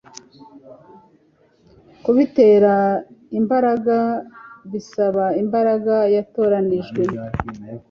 kubitera imbaraga, bisaba imbaga yatoranijwe